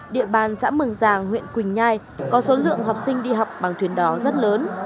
dã mừng rằng huyện quỳnh nhai có số lượng học sinh đi học bằng thuyền đò rất lớn